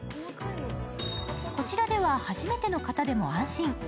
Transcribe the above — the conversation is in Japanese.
こちらでは初めての方でも安心。